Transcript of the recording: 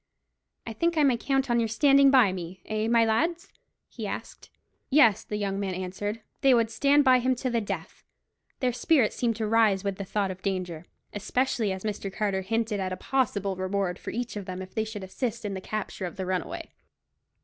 "I think I may count on your standing by me—eh, my lads?" he asked. Yes, the young men answered; they would stand by him to the death. Their spirits seemed to rise with the thought of danger, especially as Mr. Carter hinted at a possible reward for each of them if they should assist in the capture of the runaway.